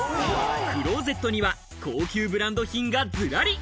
クローゼットには高級ブランド品がズラリ！